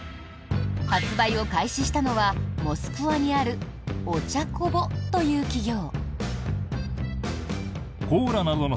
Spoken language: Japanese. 発売を開始したのはモスクワにあるオチャコボという企業。